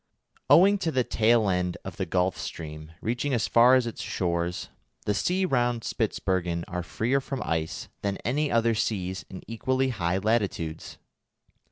Owing to the tail end of the Gulf Stream reaching as far as its shores, the seas round Spitzbergen are freer from ice than any other seas in equally high latitudes.